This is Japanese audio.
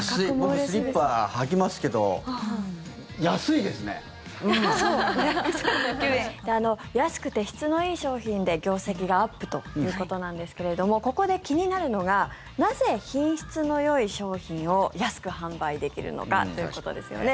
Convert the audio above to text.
僕、スリッパ履きますけどそう、５３９円！安くて質のいい商品で業績がアップということなんですけれどもここで気になるのがなぜ、品質のよい商品を安く販売できるのかということですよね。